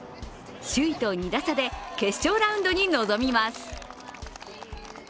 首位と２打差で決勝ラウンドに臨みます。